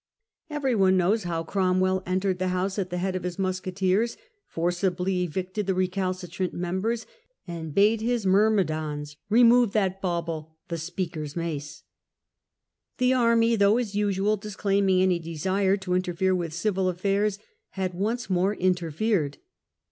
Everyone knows "^""*p • how Cromwell entered the House at the head of his musketeers, forcibly evicted the recalcitrant members, and bade his myrmidons "remove that bauble", the Speaker's mace. The Army, though as usual disclaiming any desire to interfere with civil affairs, had once more interfered.